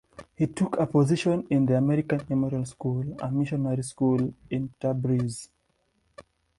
He took a position in the American Memorial School, a missionary school, in Tabriz.